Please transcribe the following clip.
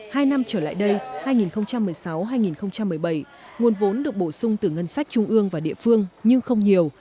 hai năm trở lại đây hai nghìn một mươi sáu hai nghìn một mươi bảy nguồn vốn được bổ sung từ ngân sách trung ương và địa phương nhưng không nhiều